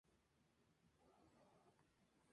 La sede de la liga está en Colonia.